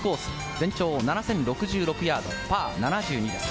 全長７０６６ヤード、パー７２です。